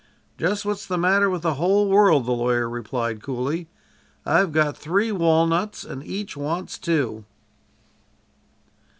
"Just what's the matter with the whole world," the lawyer replied coolly. "I've got three walnuts, and each wants two."